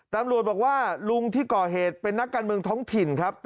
ตำรวจบอกว่าลุงที่ก่อเหตุเป็นนักการเมืองท้องถิ่นครับ